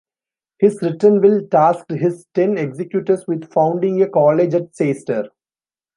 His written will tasked his ten executors with founding a college at Caister.